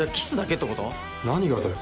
何がだよ。